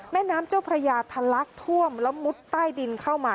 แม่น้ำเจ้าพระยาทะลักท่วมแล้วมุดใต้ดินเข้ามา